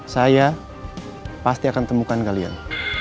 saya pasti akan temukan kalian